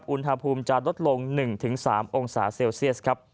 อุณหภูมิจะลดลง๑๓องศาเซลเซียสครับ